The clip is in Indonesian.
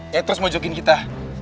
yang terus mau jogging kita